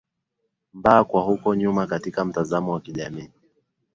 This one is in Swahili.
mba kwa huko nyuma katika mtazamo wa kijamii